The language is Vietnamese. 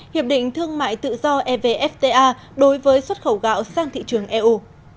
hiệp định thương mại tự do evfta đối với xuất khẩu gạo sang thị trường eu